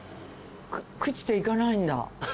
朽ちていかないんだ。